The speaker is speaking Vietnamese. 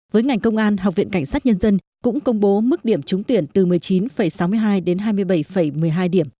với ngành công an học viện cảnh sát nhân dân cũng công bố mức điểm trúng tuyển từ một mươi chín sáu mươi hai đến hai mươi bảy một mươi hai điểm